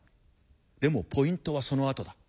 でもポイントはそのあとだ。